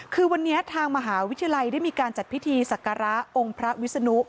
คือวันนี้ทางมหาวิทยาลัยได้มีการจัดพิธีศักระองค์พระวิศนุ